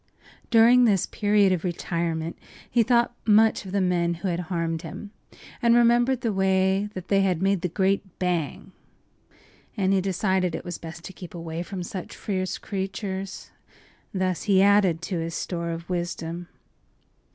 During this period of retirement he thought much of the men who had harmed him, and remembered the way they had made the great “bang!” And he decided it was best to keep away from such fierce creatures. Thus he added to his store of wisdom.